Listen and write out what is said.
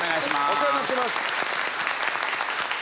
お世話になってます！